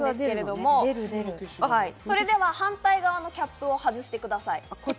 それでは反対側のキャップを外してください。